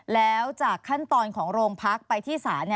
แล้วจากขั้นตอนของโรงพักไปที่ศาล